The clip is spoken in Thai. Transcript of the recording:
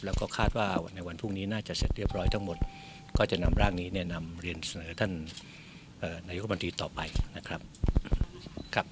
แล้วก็คาดว่าในวันพรุ่งนี้น่าจะเสร็จเรียบร้อยทั้งหมดก็จะนำร่างนี้เนี่ยนำเรียนเสนอท่านนายกรรมนตรีต่อไปนะครับ